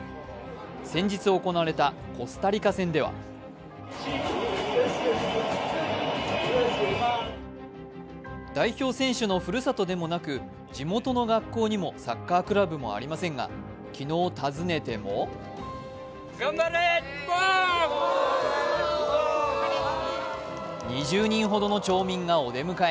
先日行われたコスタリカ戦では代表選手のふるさとでもなく、地元の学校にもサッカークラブもありませんが、昨日、訪ねても２０人ほどの町民がお出迎え。